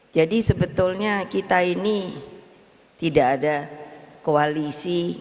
jadi sebetulnya kita ini tidak ada koalisi